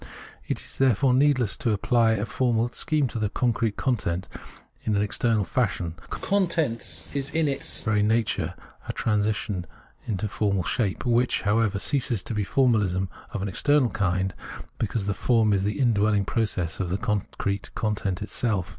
It is therefore needless to apply a formal scheme to the concrete content in an external fashion ; the content is in its very nature a transition into a formal shape, which, however, ceases to be formahsm of an external kind, because the form is the indwelling process of the con crete content itself.